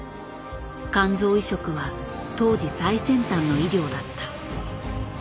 肝臓移植は当時最先端の医療だった。